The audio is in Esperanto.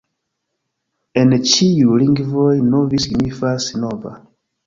En ĉiuj lingvoj Novi signifas: nova.